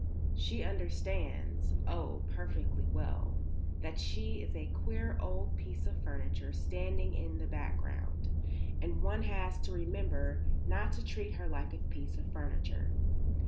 She understands oh, perfectly well that she is a queer old piece of furniture standing in the background, and one has to remember not to treat her like a piece of furniture.